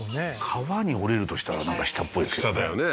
川に下りるとしたらなんか下っぽいですけどね